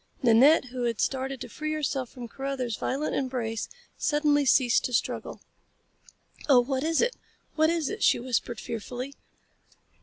Nanette, who had started to free herself from Carruthers violent embrace, suddenly ceased to struggle. "Oh, what is it? What is it?" she whispered fearfully.